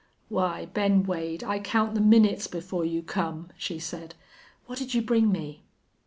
"Why, Ben Wade, I count the minutes before you come," she said. "What'd you bring me?"